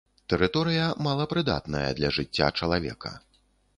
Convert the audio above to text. Тэрыторыя малапрыдатная для жыцця чалавека.